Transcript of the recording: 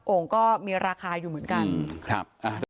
โอ่งก็มีราคาอยู่เหมือนกันครับ